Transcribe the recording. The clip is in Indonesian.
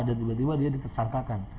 dan tiba tiba dia ditersangkakan